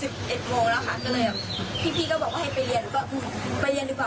ก็เลยพี่ก็บอกว่าให้ไปเรียนก็ไปเรียนดีกว่า